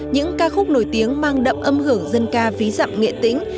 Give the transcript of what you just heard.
những ca khúc nổi tiếng mang đậm âm hưởng dân ca ví dặm nghệ tĩnh